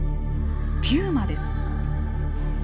ピューマです。